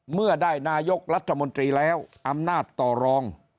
เมื่อได้นายกรัฐมนตรีแล้วอำนาจต่อรอง